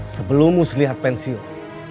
sebelum muslihat pensiun